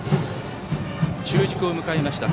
中軸を迎えました。